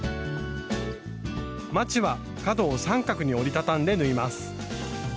まちは角を三角に折り畳んで縫います。